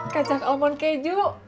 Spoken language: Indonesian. kacang almond keju